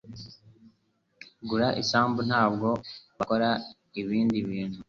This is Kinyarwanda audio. Gura isambu. Ntabwo bakora ibindi bintu.